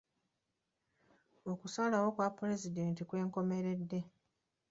Okusalawo kwa pulezidenti kwa nkomeredde.